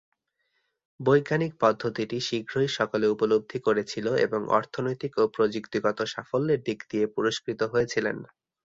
বৈজ্ঞানিক পদ্ধতিটি শীঘ্রই সকলে উপলব্ধি করেছিল এবং অর্থনৈতিক ও প্রযুক্তিগত সাফল্যের দিক দিয়ে পুরস্কৃত হয়েছিলেন।